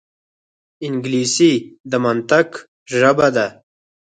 انګلیسي د منطق ژبه ده